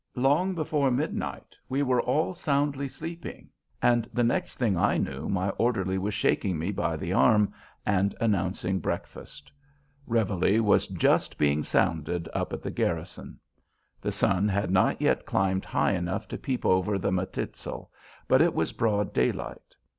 Long before midnight we were all soundly sleeping, and the next thing I knew my orderly was shaking me by the arm and announcing breakfast. Reveille was just being sounded up at the garrison. The sun had not yet climbed high enough to peep over the Matitzal, but it was broad daylight.